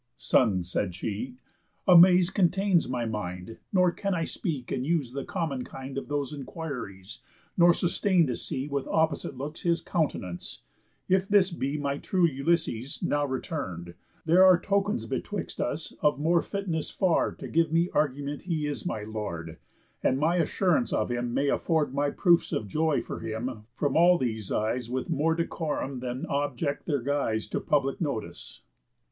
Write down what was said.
_ "Son," said she, "amaze contains my mind, Nor can I speak and use the common kind Of those enquiries, nor sustain to see With opposite looks his count'nance. If this be My true Ulysses now return'd, there are Tokens betwixt us of more fitness far To give me argument he is my lord; And my assurance of him may afford My proofs of joy for him from all these eyes With more decorum than objéct their guise To public notice."